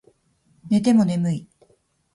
寝ても眠い